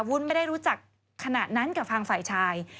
วุ้นไม่ได้รู้จักขณะนั้นกับทางฝ่ายชาย